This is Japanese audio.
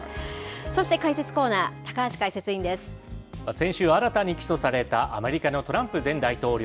そして解説コーナー、高橋解説委先週、新たに起訴されたアメリカのトランプ前大統領。